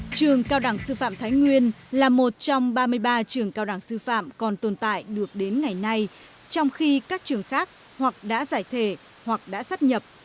trường cao đẳng sư phạm thái nguyên là một trong ba mươi ba trường cao đẳng sư phạm còn tồn tại được đến ngày nay trong khi các trường khác hoặc đã giải thể hoặc đã sắp nhập